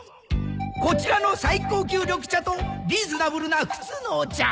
こちらの最高級緑茶とリーズナブルな普通のお茶